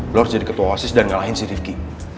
lo harus jadi ketua wasis dan ngalahin si rifki